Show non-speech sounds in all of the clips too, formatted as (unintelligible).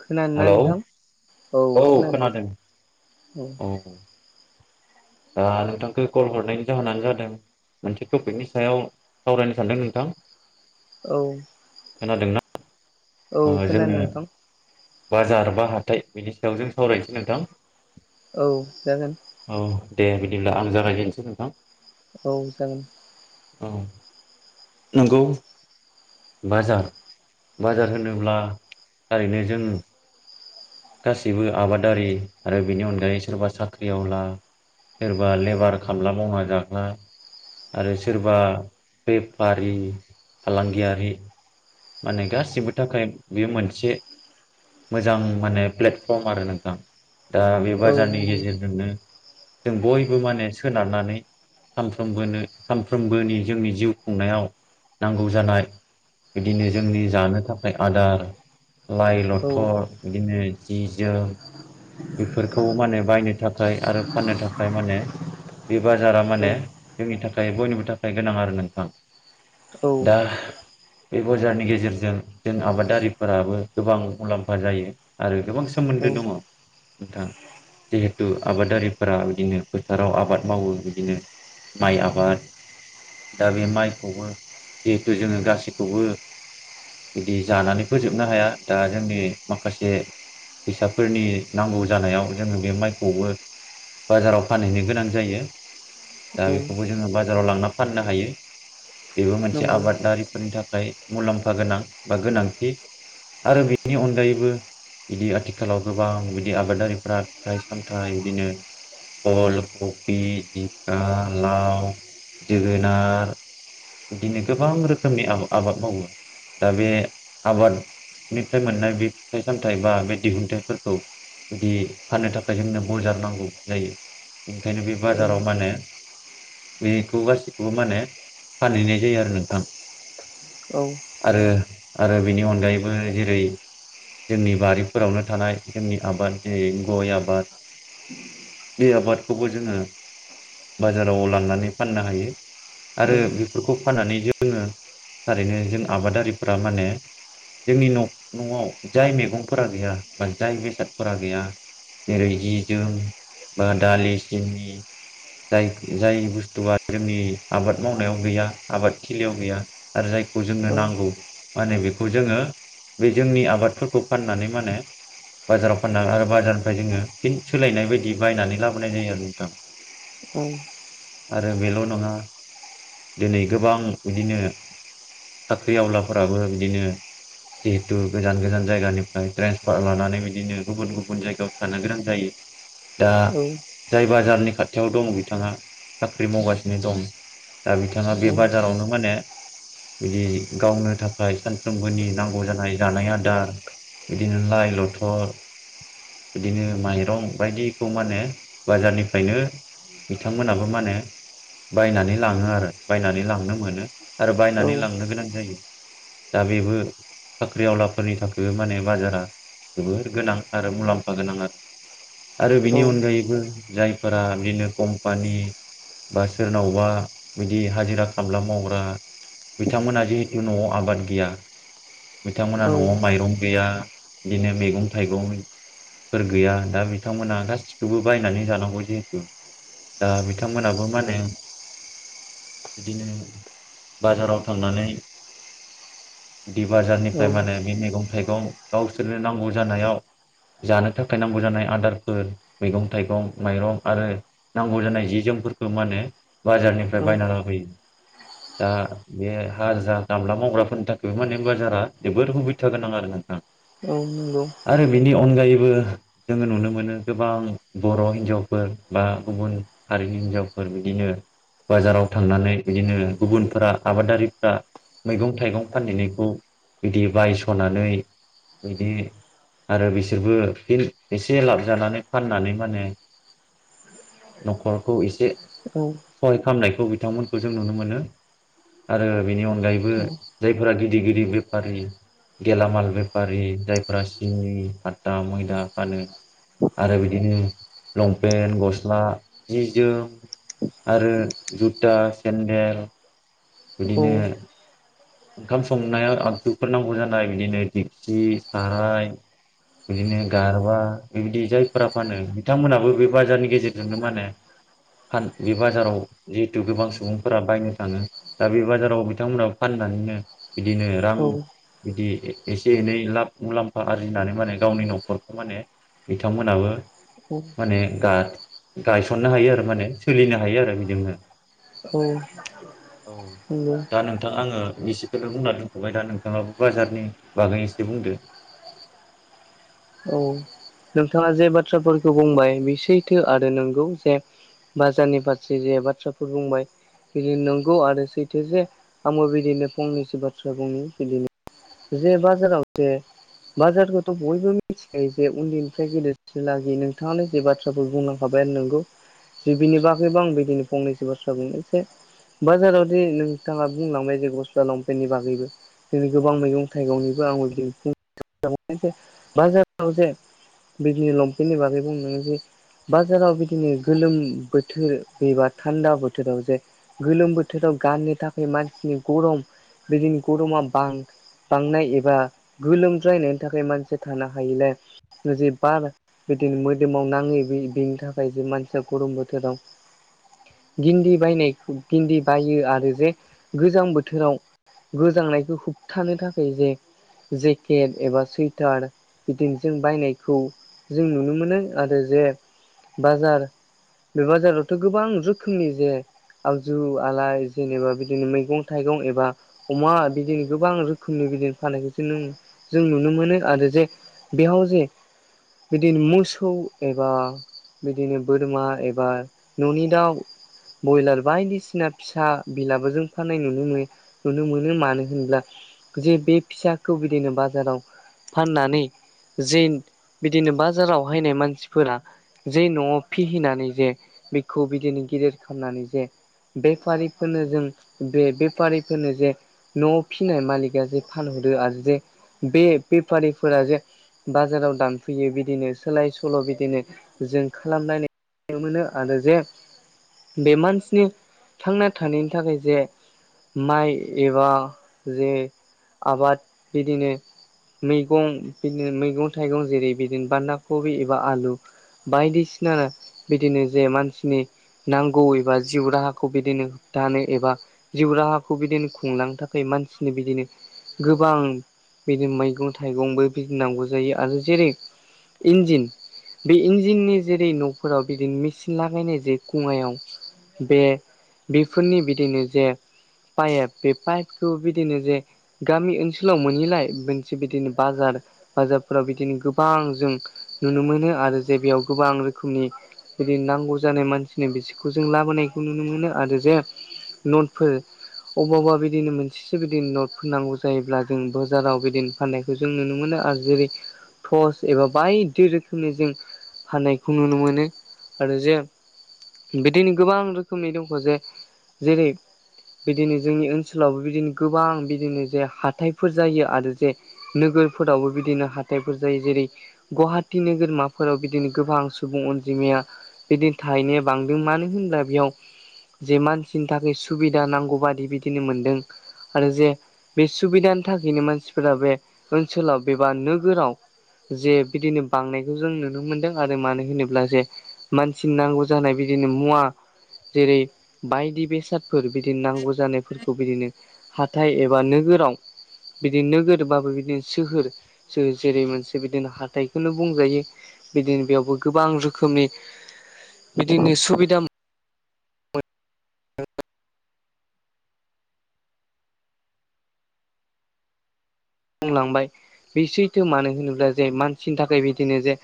खोनानोा hello नोंथां? औ औ खोनादों औ। औ। दा नोंथांखौ कल हरनायनि जाहोनानो जादों मोनसे टपिकनि सायाव सावरायनो सानदों नोंथां। औ। खोनादों नना? औ खोनादों जोङो नोंथां बाजार बा हाथाइ बिनि सायाव जों सावरायनोसै नोंथां‌। औ जागोन। औ दे बिदिब्ला आं जागायजनोसै नोंथां। औ जागोन। औ। नंगौ बाजार बाजार होनो होनब्ला थारैनो जों गासैबो आबादारि आरो बेनि अनगायै सोरबा साख्रिआवला सोरबा लेबार खामला मावना जाग्रा। आरो सोरबा बेफारि फालांगियारि माने गासिबो थाखाय बेयो मोनसे मोजां माने प्लेटफर्म आरो नोंथां दा बे औ बाजारनि गेजेरजोंनो जों बयबो माने सोनारनानै सानफ्रोमबोनो सानफ्रोमबोनि जोंनि जिउ खुंनायाव नांगौ जानाय बिदिनो जोंनि जानो थाखाय आदार लाइ लथर बिदिनो जि जोम बेफोरखौ माने बायनो थाखाय आरो फाननो थाखाय माने बे बाजारा औ माने जोंनि थाखाय बयनिबो थाखाय गोनां आरो नोंथां। औ दा बे बजारनि गेजेरजों जों आबादारिफोराबो गोबां मुलाम्फा जायो। आरो गोबां औ सोमोन्दो दङ नोंथाङा जिहेथु आबादारिफोरा बिदिनो फोथाराव आबाद मावो बिदिनो माइ आबाद दा बे माइखौबो जिहेथु जोङो गासैखौबो बिदि जानानैबोो जोबनो हाया दा जोंनि माखासे फैसाफोरनि नांगौ जानायाव जोङो बे माइखौबो बाजाराव फानहैनो गोनां जायो। दा औ बेखौबो जोङो बाजाराव लांना फाननो हायो बेबो मोनसे नंगौ आबादारिफोरनि थाखाय। मुलाम्फा गोनां बा गोनांथि आरो बिनि अनगायैबो बिदि आथिखालाव गोबां बिदि आबादारिफ्रा फिथाइ सामथाइ बिदिनो अल कबिि जिखाा लाव जोगोनार बिदिनो गोबां रोखोमनि आ आबाद मावो। दा बे आबादनिफ्राय मोननाय बे फिथाइ सामथ थ बा बे दिहुनथाइफोरखौ बिुदि फाननो थाखाय जोंनो बजार नांगौ जायो। बेनिखायनो बे औ बाजाराव मा होनो बेखौ गासैखौबो माने फानहैनाय जायो आरो नोंथां। औ आरो आरो बेनि अनगायैबो जेरै जोंनि बारिफोरावनो थानाय जोंनि आबाद जेरै गय आबाद बे आबादखौबो जोङो बाजाराव लांनानै फाननो हायो। औ आरो बेफोरखौ फाननानै जोङो थारैनो जों आबादारिफ्रा माने जोंनि न'आव जाय मैगंफोरा गैया बा जाय बेसादफोरा गैया जेरै जि जुन बा दालि सिंनि जाय जाय बुस्थुआ जोंनि आबाद मावनायाव गैया आबाद थिलियाव गैया आरो जायखौ जोंनो औ नंगौ औ नांगौ माने बेखौ जोङो बे जोंनि आबाद फोरफोरखौ फाननानै माने बाजाराव फानना आरो बाजारनिफ्राय जोङोिन सोलायनाय बायदि बायनानै लाबोनाय जायो आरो नोंथां। (inaudible) आरो मल' नङा दिनै गोबां बिदिनो साख्रि आवलाफोराबो बिदिनो जिहेथु गोजान गोजान जायगानिफ्राय ट्रेन्सफार लानानै बिदिनो गुबुन गुबुन जायगायाव थानो गोनां जायो। दा जाय बाजारनि खाथियाव दं बिथाङा साख्रि मावगासिनो दं। दा बिथाङा बे बाजारावनो माने बिदि गावनो थाखाय सानफ्रोमबोनि नांगौ जानाय जानाय आदार बिदिनो लाइ लथर बिदिनो माइरं बायदिखौ मान होने बाजारनिफ्रायनो बिथांमोनाबो माने बायनानै लाङो आरो बायनानै लांनो मोनो। आरो बायनानै लांनो गोनां जायो दा बेबो साख्रिआवलाफोरनि थाखाय बे माने बाजारा जोबोर गोनां आरो मुलाम्फा गोनां आरो। आरो बिनि अनगायैबो जायफोरा बिदिनो कम्पानि बा सोरनावबा बिदि हाजिरा खामला मावग्रा बिथांमोना जिहेतु न'आव आबाद गैया बिथांमोना न'आव माइरं गैया बिदिनो मैगं थाइगं फोर गैया दा बिथांमोनहा गासिखौबो बायनानै जानांगौ जिहेतु। दा बिथांमोनाबो माने बिदिनो बाजाराव थांनानै बि बाजारनिफ्राय माने बे मैगं थाइगं गावसोरनो नांगौ जानायाव जानो थाखाय नांगौ जानाय आदारफोर मैगं थाइगं माइरं आरो नांगौ जानाय जि जोमफोरखौ मा होनो बाजारनिफ्राय बायना लाबोैयो। दा बे हाजा दामला मावग्राफोरनि थाखायबो माने बाजारा जोबद हुबिद गोनां आरो नोंथां। औ नंगौ। आरो बिनि अनगायैबो जोङो नुनो मोनो गोबां बर' हिनजावफोर बा गुबुन हारिनि हिनजावफोर बिदिनो बाजाराव थांनानै बिदिनो गुबुनफोरा आबादारिफ्रा मैगं थाइगं फानहैनायखौ बिदि बायस'नानै बिदि आरो बिसोरबो फिन एसे लाबजानानै फाननानै माने न'खरखौ एसे औ- सहाय खालामनायखौ बिथांमोनखौ जों नुनो मोनो। आरो बेनि अनगायैबो जायफोरा गिदिर-गिदिर बेफारि गेलामाल बेफारि जायफ्रा सिनि हता मैदा फानो आरो बिदिनो लंपेन्ट गस्ला जि जोम आरो जुथा सेन्देल औ बिदिनो ओंखाम संनायाव आगजुफोर नांगौ जानाय बिदिनो दिपसि साराय बिदिनो गारबा बेबायदि जायफोरा फानो बिथांमोनहाबो बे बाजारनि गेजेरजोंनो माने फान बे बाजाराव जिहेतु गोबां सुबुंफोरा बायनो थाङो। दा बे बाजाराव बिथांमोना फाननानैनो बिदिनो रां बिदि एसे एनै लाब मुलाम्फा आरजिनानै माने गावनि न'खरखौ माने बिथांमोनाबो औ माने गाथ गायसननो हायो आरो माने सोलिनो हायो आरो बिदिनो औ औ नंगौ दा नोंथां आङो बिसेखोथा बुंना दोनथ'बाय दा नोंथाङाबो बाजारनि बागै एसे बुंदो? औ नोंथाङा जे बाथ्राफोरखौ बुंबाय बे सैथो आरो नंगौ जे बाजारनि फारसे जे बाथ्राफोर बुंबाय बिनि नंगौ आरो सैथो जे आंबो बिदिनो फंनैसो बाथ्रा बुंनो बिदिनो जे बाजाराव जे बाजारखौथ' बयबो मिथिखायो जे उन्दैनिफ्राय गदेरसिलागि नोंथाङानो जे बाथ्राफोर बुंलांखाबाय आरो नोंगौ। बिनि बागैबो आं बिदिनो फंनैसो बाथ्रा बुंनो एसे बाजारावदि नोंथाङा बुंलांबाय जे गस्ला लंपेन्टनि बागैबो (unintelligible) दिै गोबां मैगं थाइगंनिबो आं दिे बाजाराव जे बिदिनि लंपेन्टनि बागै बुं नोङो जे बाजाराव बिदिनो गोलोम बोथोर एबा थान्दा बोथोराव जे गोलोम बोथोराव गाननो थाखाय मानसिनि गरम गोदिनि गरमा बां (unintelligible) बांनाय एबा गोलोमद्रायनायनि थाखाय मानसिया थानो हायिलाय जे बार गोदो मोदोमाव नाङै बे-बेनि थाखाय जे मानसिया गरम बोथोराव गिन्दि बायनायखौ गिन्दि बायो आरो जे गोजां बोथोराव गोजांनायखौ होबथानो थाखाय जे जेकेट एबा सुइटार बिदिनो जों बायनायखौ जों नुनो मोनो आरो जे बाजार बे बाजारावथ' गोबां रोखोमनि जे आगजु आलाय जेनेबा बिदिनो मैगं थाइगं एबा अमा बिदिनो गोबां रोखोमनि बिदिनो फानानायखौ जों जों नुनो मोनो आरो जे बेयाव जे बिदिनो मोसौ एबा बिदिनो बोरमा एबा न'नि दाउ ब्रयलार बायदिसिना फिसा बिलाबो जों फाननाय नुनो मोनो नुनो मोनो मानो होनब्ला जे बे फिसाखौ बिदिनो बाजाराव फाननानै जे बिदिनो बाजारावहायनाय मानसिफोरा जे न'आव फिहिनानै जे बेखौ बिदिनो गिदिर खालामनानै जे बेफारिफोरनो जों बे बेफारिफोरनो जे न'आव फिनाय मालिका जे फानहरो आरो जे बे बेफारिफोरा जे बाजाराव दानफैयो बिदिनो सोलाय सोल' बिदिनो जों खालामलायनाय (unintelligible) मोनो आरो जे बे मानसिनि थांना थानायनि थाखाय जे माइ एबा जे आबाद बिदिनो मैगं बिदिनो मैगं थाइगं जेरै बिदिनो बान्दा कबि एबा आलु बायदिसिना बिदिनो जे मानसिनि नांगौ एबा जिउ राहाखौ बिदिनो दानो एबा जिउ राहाखौ बिदिनो खुंलांनो थाखाय मानसिनो बिदिनो गोबां बिदि मैगं थाइगंबो बिदि नांगौ जायो आरो जेरै इन्जिन बे इन्जिननि जेरै न'फोराव बिदिनो मेचिन लागायनाय जे खुङायाव बे बेफोरनि बिदिनो जे पाइप बे पाइ खौ बिदिनो जे गामि ओनसोलाव मोनैलाय मोनसे बिदिनो बाजार बाजारफोराव बिदिनो गोबां जों नुनो मोनो आरो जे बेयाव गोबां रोखोमनि बिदि नांगौ जानाय मानसिनो बिसोरखौ जों लाबोनायखौ नुनो मोनो आरो जे नटफोर अबावबा बिदिनो मोनसेसो बिदिनो नट फनांगौ जायोब्ला जों बाजाराव बिदिनो फाननायखौ जों नुनो मोनो। आरो जेरै टर्स एबा बायदि रोखोमनि जों हानायखौ नुनो मोनो आरो जे बिदिनो गोबां रोखोमनि दंख' जे जेरै बिदिनो जोंनि ओनसोलावबो बिदिनो गोबां बिदिनो जे हााथाइफोर जायो। आरो जे नोगोरफोरावबो बिदिनो हाथाइफोर जायो जेरै गुवाहाटि नोगोरमाफोराव बिदिनो गोबां सुबुं अनजिमाया बिदिनो थाहैनाया बांदों मानो होनब्ला बेयाव जे मानसिनि थाखाय सुबिदा नांगौ बादि बिदिनो मोनदों आरो जे बे सुबिदानि थाखायनो मानसिफोरा बे ओनसोलाव बेबा नोगोराव जे बिदिनो बांनायखौ जों नुनो मोनदों आरो मानो होनोब्ला जे मानसिनि नांगौ जानाय बिदिनो मुवा जेरै बायदि बेसादफोर बिदिनो नांगौ जानायफोरखौ बिदिनो हाथाय एबा नोगोराव बिदि नोगोरबाबो बिदिनो सोहोरोश जेरै मोनसे बिदिनो हाथाइखौनो बुंजायो। बिदिनो बेयावबो गोबां रोखोमनि बिदिनो सुबिदा बुंलांबाय बे सैथो मानो होनोब्ला जे मानसिनि थाखाय बिदिनो जे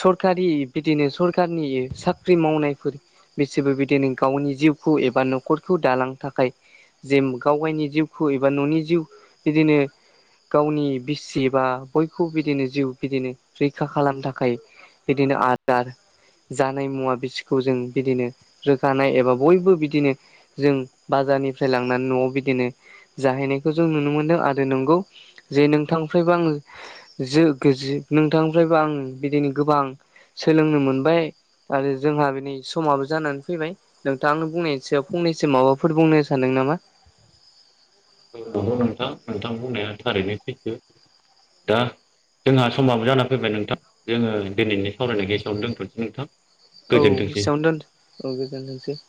सरकारि बिदिनो सरकनि साख्रि मावनायफोर बिसोरबो बिदिनो गावनि जिउखौ एबा न'खरखौ दालांनो थाखाय जे गाव गावनि जिउखौ एबा न'नि जिउ बिदिनो गावनि बिसि बा बयखौबो बिदिनो जिउ बिदिनो रैखा खालामनो थाखाय बिदिनो आदार जानाय मुवा बिसखौ जों बिदिनो रोगानाय एबा बयबो बिदिनो जों बाजारनिफ्राय लांनानै न'आव बिदिनो जाहैनायखौ जों नुनो मोनदों आरो नोंगौ जे नोंथांनिफ्रायबो आं ज नोंथांनिफ्रायबो आं बिदिनो गोबां सोलोंनो मोनबाय आरो जोंहा बेनै समाबो जानानै फैबाय नोंथां आंनि बुंनायनि सायाव फंनैसो माबाफोर बुंनो सानदों नामा औ नोंथां नोंथां बुंनाया थारैनो सैथो दा जोंहा समाबो जानानै फैबाय नोंथां जोङो दिनैनि सावरायनाय गसोआवनो दोनथ'नोसै नोंथाङां औ बेसेबां दोनदो औ गोजोनथोंसै